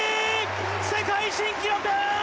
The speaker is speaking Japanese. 世界新記録！